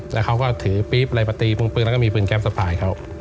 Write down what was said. แล้วเขาก็ถือปี๊บอะไรมาตีปรุงปืนแล้วก็มีปืนแก๊ปสะพายเขา